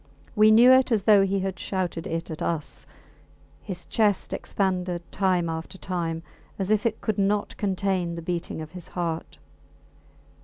We knew it as though he had shouted it at us. His chest expanded time after time, as if it could not contain the beating of his heart.